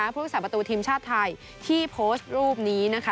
ผู้รักษาประตูทีมชาติไทยที่โพสต์รูปนี้นะคะ